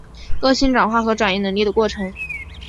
恶性转化和转移能力的过程。